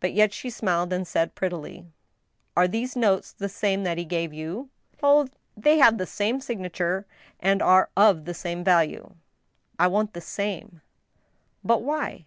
But yet she smiled, and said, prettily :" Are these notes the same that he gave you ?"" Oh ! they have the same signature, and are of the same value." " I want the same." "But why?"